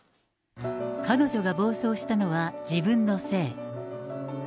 彼女が暴走したのは自分のせい。